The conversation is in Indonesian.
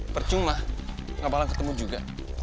percuma gak malang ketemu juga